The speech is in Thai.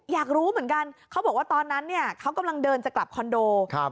อยากรู้เหมือนกันเขาบอกว่าตอนนั้นเนี่ยเขากำลังเดินจะกลับคอนโด